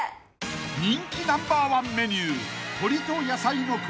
［人気ナンバーワンメニュー］